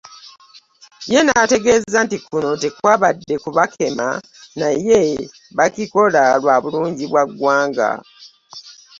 Ye n'ategeeza nti kuno tekwabadde kubakema naye bakikola lwa bulungi bwa ggwanga